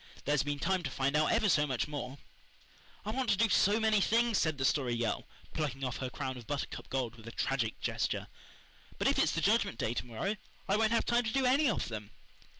There's been time to find out ever so much more." "I want to do so many things," said the Story Girl, plucking off her crown of buttercup gold with a tragic gesture, "but if it's the Judgment Day to morrow I won't have time to do any of them."